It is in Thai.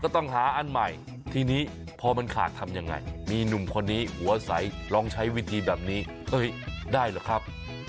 ต้องหาอันใหม่ทีนี้พอมันขาดทำยังไงมีหนุ่มคนนี้หัวใสลองใช้วิธีแบบนี้เฮ้ยได้เหรอครับ